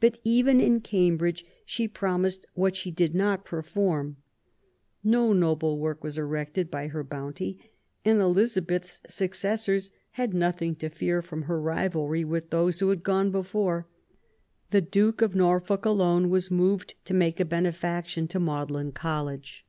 But even in Cambridge she promised what she did not perform. PROBLEMS OF THE REIGN. 83 No noble work was erected by her bounty, and Elizabeth's successors had nothing to fear from her rivalry with those who had gone before. The Duke of Norfolk alone was moved to make a benefaction to Magdalene College.